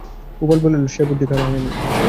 গোপাল বলিল, সে বুদ্ধি কারো হয়নি।